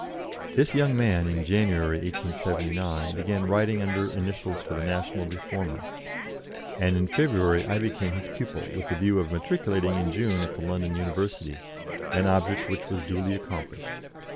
This young man, in January, 1879, began writing under initials for the National Reformer, and in February I became his pupil, with the view of matriculating in June at the London University, an object which was duly accomplished.